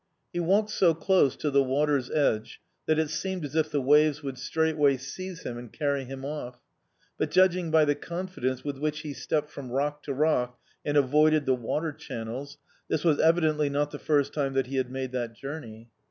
He walked so close to the water's edge that it seemed as if the waves would straightway seize him and carry him off. But, judging by the confidence with which he stepped from rock to rock and avoided the water channels, this was evidently not the first time that he had made that journey.